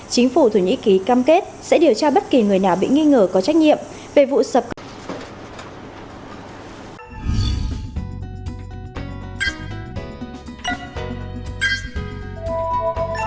chính phủ thổ nhĩ kỳ cam kết sẽ điều tra bất kỳ người nào bị nghi ngờ có trách nhiệm về vụ sập cầu